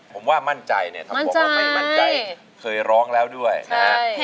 ผมว่ามั่นใจเนี่ยทำผมแล้วไม่มั่นใจเคยร้องแล้วด้วยนะฮะ